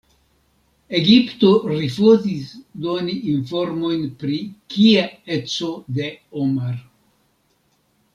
Egipto rifuzis doni informojn pri kie-eco de Omar.